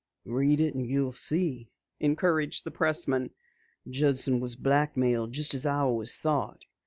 "Read it and you'll see," encouraged the pressman. "Judson was blackmailed just as I always thought.